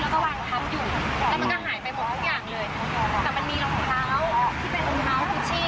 แต่มันมีรองเท้าที่เป็นรองเท้าคุชชี่